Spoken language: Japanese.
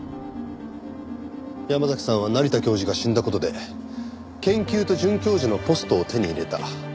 山嵜さんは成田教授が死んだ事で研究と准教授のポストを手に入れた。